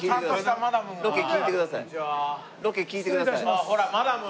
ああほらマダム。